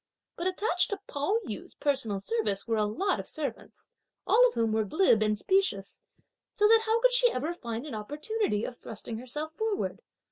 But attached to Pao yü's personal service were a lot of servants, all of whom were glib and specious, so that how could she ever find an opportunity of thrusting herself forward?